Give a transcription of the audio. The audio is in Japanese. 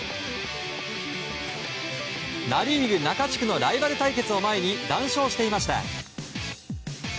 ナ・リーグ中地区のライバル対決を前に談笑していました。